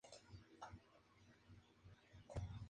Pero las circunstancias eran distintas.